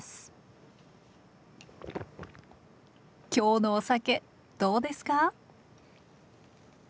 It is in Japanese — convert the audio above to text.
今日のお酒どうですか？